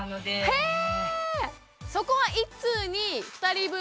へえ。